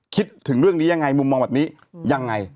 คิดถึงเรื่องนี้ยังไงมุมมองแบบนี้ยังไง